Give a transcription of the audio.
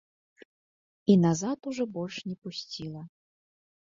І назад ужо больш не пусціла.